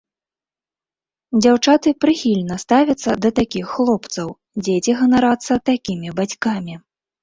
Дзяўчаты прыхільна ставяцца да такіх хлопцаў, дзеці ганарацца такімі бацькамі.